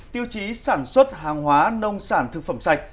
tiêu chí sản xuất hàng hóa nông sản thực phẩm sạch